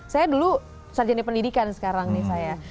saya dulu sarjana pendidikan sekarang nih saya